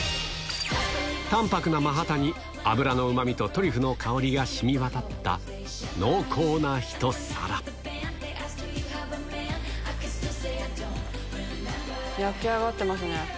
淡白なマハタに脂のうまみとトリュフの香りが染み渡った、濃厚な焼き上がってますね。